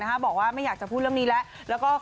ถ้าไม่เจอเธอ